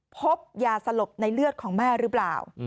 พบยาสลบในเลือดของแม่หรือเปล่า